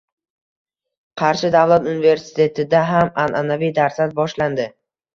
Qarshi davlat universitetida ham an’anaviy darslar boshlandi